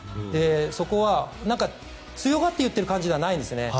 そこは強がって言っている感じではないんですね